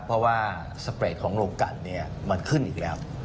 เพราะว่าสเปรดของโรงกรรมเนี่ยมันขึ้นอีกแล้ว